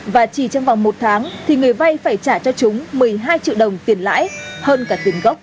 và chỉ trong vòng một tháng thì người vay phải trả cho chúng một mươi hai triệu đồng tiền lãi hơn cả tiền gốc